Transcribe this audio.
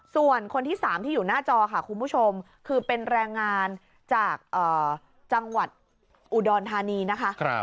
ส่วนคนที่๓ที่อยู่หน้าจอค่ะคุณผู้ชมคือเป็นแรงงานจากจังหวัดอุดรธานีนะคะ